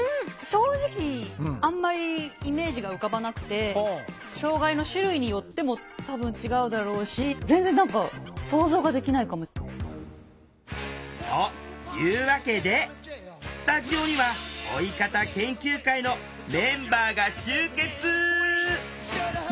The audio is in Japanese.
正直あんまりイメージが浮かばなくて障害の種類によっても多分違うだろうし全然何か想像ができないかも。というわけでスタジオには「老い方研究会」のメンバーが集結！